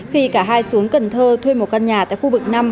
khi cả hai xuống cần thơ thuê một căn nhà tại khu vực năm